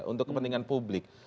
untuk kepentingan publik